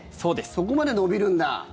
そこまで伸びるんだ！